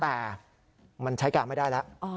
แต่มันใช้การไม่ได้แล้ว